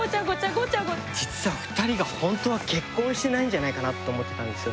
実は２人がホントは結婚してないんじゃないかなって思ってたんですよ